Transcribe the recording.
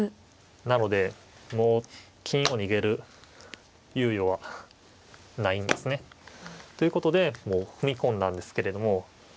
なのでもう金を逃げる猶予はないんですね。ということでもう踏み込んだんですけれども。